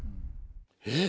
えっ？